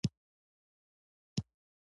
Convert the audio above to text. د مشروطې په لار کې اول منزل دی.